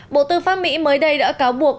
bộ tư pháp mỹ mới đây đã cáo buộc